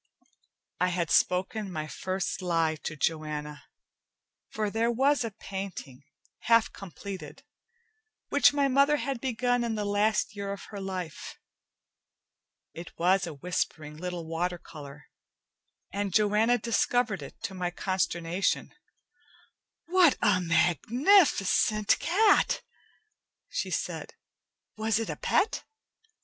I had spoken my first lie to Joanna, for there was a painting, half completed, which my mother had begun in the last year of her life. It was a whispering little watercolor, and Joanna discovered it to my consternation. "What a magnificent cat!" she said. "Was it a pet?"